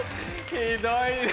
ひどいね。